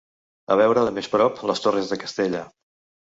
A veure de més prop les torres de Castella